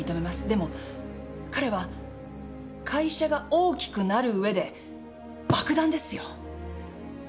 でも彼は会社が大きくなる上で爆弾ですよ。